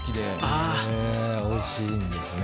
へぇおいしいんですね。